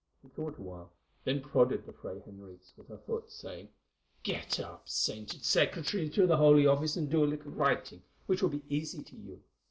She thought a while, then prodded the Fray Henriques with her foot, saying: "Get up, sainted secretary to the Holy Office, and do a little writing, which will be easy to you.